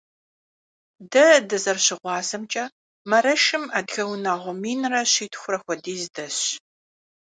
Дэ дызэрыщыгъуазэмкӀэ, Марашым адыгэ унагъуэ минрэ щитхурэ хуэдиз дэсщ.